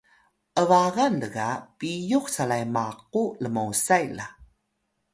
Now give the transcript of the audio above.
’bagan lga piyux calay maqu lmosay la